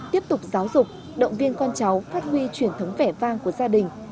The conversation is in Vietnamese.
tiếp tục giáo dục động viên con cháu phát huy truyền thống vẻ vang của gia đình